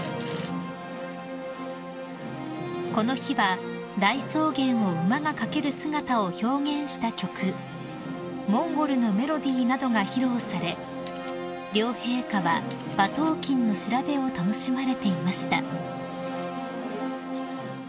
［この日は大草原を馬が駆ける姿を表現した曲『モンゴルのメロディー』などが披露され両陛下は馬頭琴の調べを楽しまれていました］